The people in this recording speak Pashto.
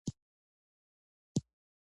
پر کتاب پروت یې یادوې شینکي خالونه